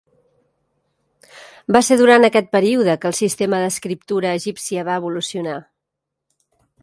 Va ser durant aquest període que el sistema d'escriptura egípcia va evolucionar.